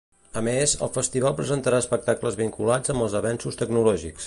A més, el festival presentarà espectacles vinculats amb els avenços tecnològics.